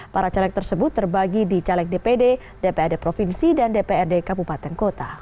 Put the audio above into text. para caleg tersebut terbagi di caleg dpd dprd provinsi dan dprd kabupaten kota